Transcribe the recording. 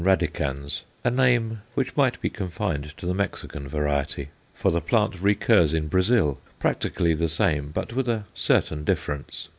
radicans_ a name which might be confined to the Mexican variety. For the plant recurs in Brazil, practically the same, but with a certain difference.